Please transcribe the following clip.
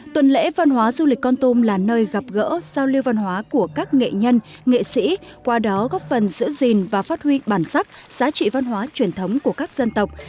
tuần lễ văn hóa du lịch con tum là nơi gặp gỡ giao lưu văn hóa của các nghệ nhân nghệ sĩ qua đó góp phần giữ gìn và phát huy bản sắc giá trị văn hóa truyền thống của các dân tộc